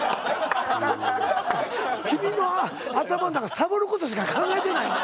君の頭ん中サボることしか考えてない。